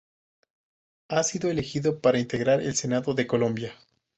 Ha sido elegido para integrar el Senado de Colombia.